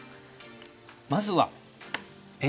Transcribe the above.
まずはＡ。